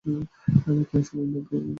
আমি কেন স্বাধীনভাবে ঘুরতে পারবো না?